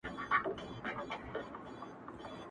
o دوی د پیښي په اړه پوښتني کوي او حيران دي,